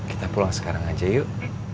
kita pulang sekarang aja yuk